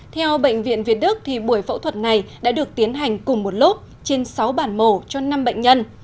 theo bệnh viện việt đức buổi phẫu thuật này đã được tiến hành cùng một lớp trên sáu bản mổ cho năm bệnh nhân